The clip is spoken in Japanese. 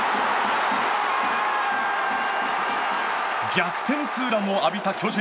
逆転ツーランを浴びた巨人。